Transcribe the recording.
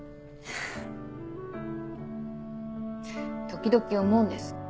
時々思うんです。